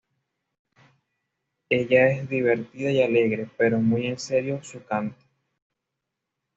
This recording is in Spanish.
Ella es divertida y alegre, pero muy en serio su canto.